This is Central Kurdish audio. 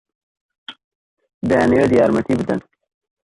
دەیانەوێت یارمەتی بدەن.